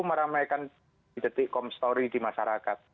itu ramekan di detik comstory di masyarakat